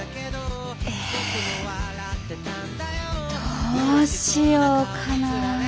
ええどうしようかな。